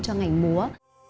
cho ngành múa